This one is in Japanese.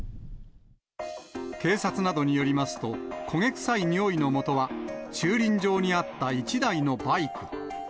警察などによりますと、焦げ臭いにおいのもとは、駐輪場にあった１台のバイク。